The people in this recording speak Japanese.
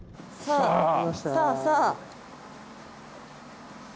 さあさあさあ。